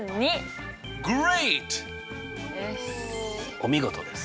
お見事です！